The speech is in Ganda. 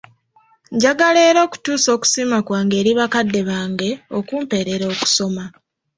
Njagala era okutuusa okusiima kwange era bakadde bange okumpeerera okusoma.